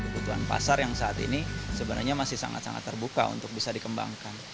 kebutuhan pasar yang saat ini sebenarnya masih sangat sangat terbuka untuk bisa dikembangkan